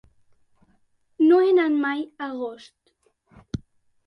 No he anat mai a Agost.